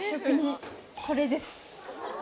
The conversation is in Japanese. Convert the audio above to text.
これです。